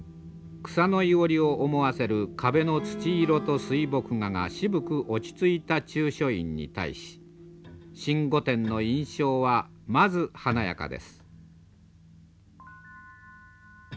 草の庵を思わせる壁の土色と水墨画が渋く落ち着いた中書院に対し新御殿の印象はまず華やかです。